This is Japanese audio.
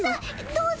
どうぞ。